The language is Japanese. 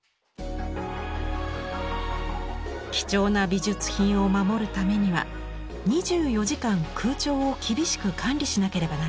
貴重な美術品を守るためには２４時間空調を厳しく管理しなければなりません。